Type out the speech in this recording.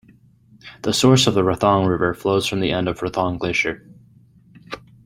The source of the Rathong River flows from the end of Rathong Glacier.